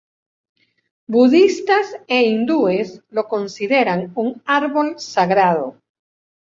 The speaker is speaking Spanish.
Budistas e hindúes lo consideran un árbol sagrado.